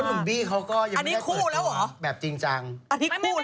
คุณหนุ่มบี้เขาก็ยังไม่ได้เปิดตัวแบบจริงจังอันนี้คู่แล้วเหรอ